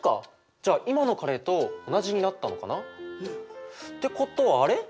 じゃあ今のカレーと同じになったのかな？ってことはあれ？